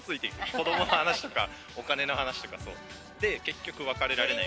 子どもの話とか、お金の話とかしそう、結局別れられない。